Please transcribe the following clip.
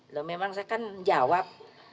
loh memang saya kan jawab